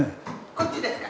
こっちですか。